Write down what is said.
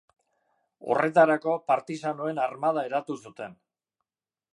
Horretarako partisanoen armada eratu zuten.